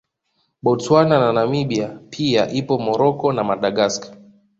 Botswana na Namibia pia ipo Comoro na Madagascar